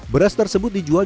beras tersebut dijual